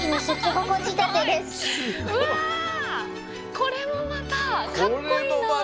うわこれもまたかっこいいな！